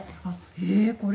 えこれ？